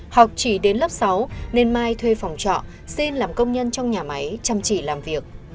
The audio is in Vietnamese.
học chỉ đến lớp sáu nên mai thuê phòng trọ xin làm công nhân trong nhà máy chăm chỉ làm việc